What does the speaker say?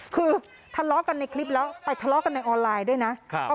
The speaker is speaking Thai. คือทะเลาะกันในคลิปแล้วไปทะเลาะกันในออนไลน์ด้วยนะ